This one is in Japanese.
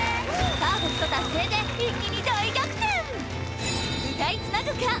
パーフェクト達成で一気に大逆転！